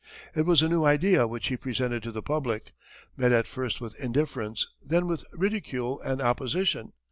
It was a new idea which he presented to the public, met at first with indifference, then with ridicule and opposition.